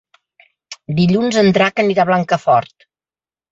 Dilluns en Drac anirà a Blancafort.